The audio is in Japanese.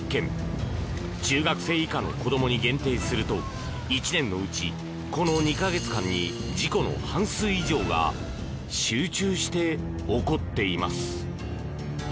中学生以下の子供に限定すると１年のうち、この２か月間に事故の半数以上が集中して起こっています。